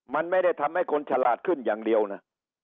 มันไม่ได้ทำให้คนฉลาดขึ้นอย่างเดียวนะ